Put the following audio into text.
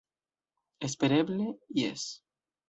Espereble jes.